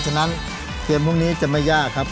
ฉะนั้นเกมพรุ่งนี้จะไม่ยากครับ